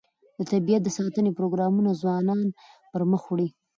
د طبیعت د ساتنې پروګرامونه ځوانان پرمخ وړي.